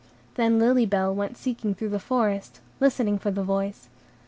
Then Lily Bell went seeking through the forest, listening for the voice.